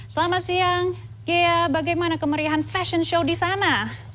selamat siang ghea bagaimana kemeriahan fashion show di sana